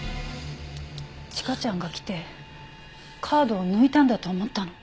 千佳ちゃんが来てカードを抜いたんだと思ったの。